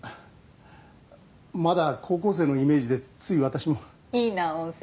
まだ高校生のイメージでつい私もいいな温泉